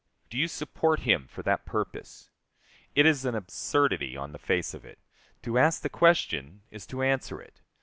Do you support him for that purpose? It is an absurdity on the face of it. To ask the question is to answer it.